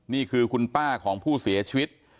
นี่คือคุณป้าของผู้เสียชีวิต